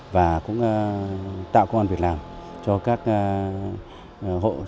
và cũng tạo công an việc làm cho các hộ